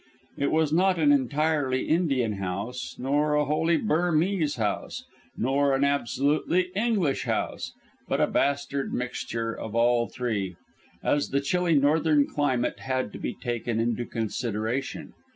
It was not an entirely Indian house, nor a wholly Burmese house, nor an absolutely English house, but a bastard mixture of all three, as the chilly northern climate had to be taken into consideration.